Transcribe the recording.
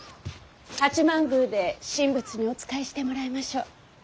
八幡宮で神仏にお仕えしてもらいましょう。